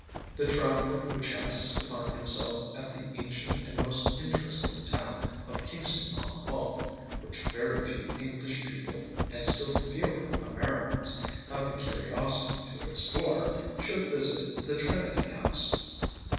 The traveler who chances to find himself at the ancient and most interesting town of Kingston on Hull, which very few English people, and still fewer Americans, have the curiosity to explore, should visit the Trinity House.